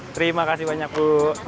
terima kasih banyak bu